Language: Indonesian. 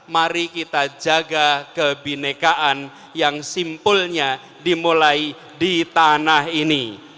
mari kita jaga kebinekaan yang simpulnya dimulai di tanah ini